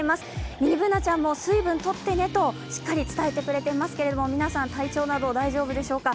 ミニＢｏｏｎａちゃんも水分とってねとしっかり伝えてくれてますけれども皆さん、体調など大丈夫でしょうか？